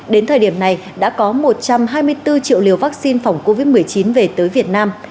đến thời điểm này đã có một trăm hai mươi bốn triệu liều vaccine phòng covid một mươi chín về tới việt nam